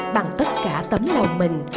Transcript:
bằng tất cả tấm lòng mình